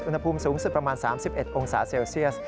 อุณหภูมิสูงสุดประมาณ๓๑องศาเซลเซียส